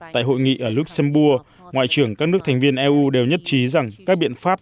tại hội nghị ở luxembourg ngoại trưởng các nước thành viên eu đều nhất trí rằng các biện pháp